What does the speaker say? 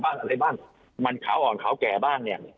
อะไรบ้างมันขาวอ่อนขาวแก่บ้างเนี่ย